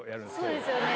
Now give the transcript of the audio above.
そうですよね。